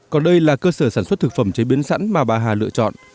còn đây là cơ sở sản xuất thực phẩm chế biến sẵn mà bà hà lựa chọn